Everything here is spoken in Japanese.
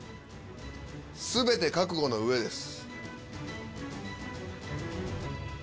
全て覚悟の上です。